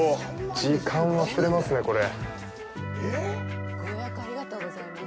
時間忘れますね、これ。